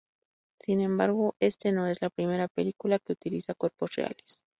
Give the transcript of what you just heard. Sin embargo, esta no es la primera película que utiliza cuerpos reales.